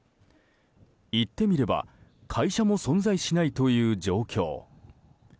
行ってみれば会社も存在しないという状況。